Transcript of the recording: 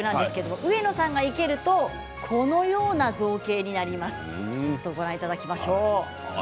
上野さんが生けるとこのような造形になります。